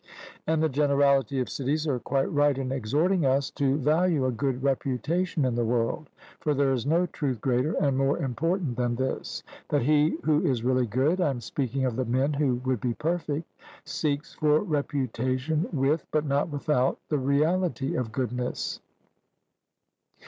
And the generality of cities are quite right in exhorting us to value a good reputation in the world, for there is no truth greater and more important than this that he who is really good (I am speaking of the men who would be perfect) seeks for reputation with, but not without, the reality of goodness.